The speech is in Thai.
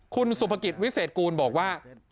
คุณสุภกิจวิเศษกูลบอกว่า